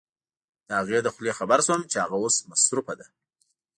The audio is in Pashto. د هغې له خولې خبر شوم چې هغه اوس مصروفه ده.